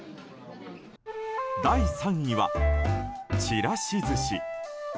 第３位は、ちらし寿司。